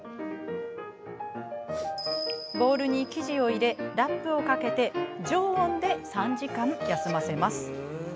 ボウルに生地を入れラップをかけて常温で３時間休ませます。